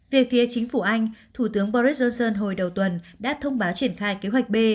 về phía chính phủ anh thủ tướng boris johnson hồi đầu tuần đã thông báo triển khai kế hoạch b